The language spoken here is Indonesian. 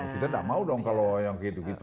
kita tidak mau dong kalau yang kayak gitu gitu